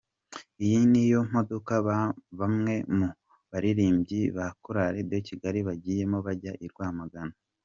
Iyi niyo modoka bamwe mu baririmbyi ba Chorale de Kigali bagiyemo bajya i Rwamagana.